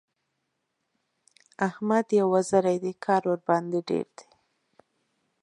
احمد يو وزری دی؛ کار ورباندې ډېر دی.